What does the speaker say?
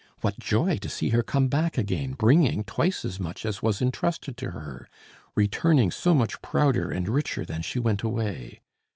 What joy to see her come back again, bringing twice as much as was intrusted to her, returning so much prouder and richer than she went away!